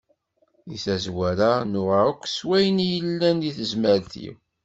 Di tazwara nnuɣeɣ akk s wayen i yellan deg tezmert-iw.